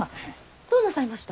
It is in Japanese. どうなさいました？